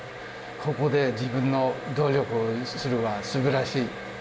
ここで自分の努力するのはすばらしい。